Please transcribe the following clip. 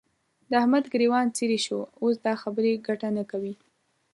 د احمد ګرېوان څيرې شو؛ اوس دا خبرې ګټه نه کوي.